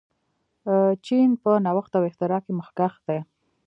چین په نوښت او اختراع کې مخکښ دی.